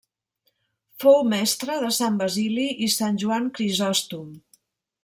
Fou mestre de Sant Basili i Sant Joan Crisòstom.